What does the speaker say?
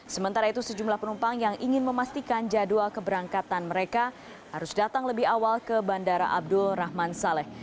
sementara itu sejumlah penumpang yang ingin memastikan jadwal keberangkatan mereka harus datang lebih awal ke bandara abdul rahman saleh